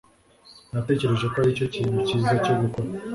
Natekereje ko aricyo kintu cyiza cyo gukora